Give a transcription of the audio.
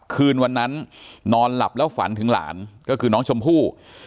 คืนวันนั้นนอนหลับแล้วฝันถึงหลานก็คือน้องชมพู่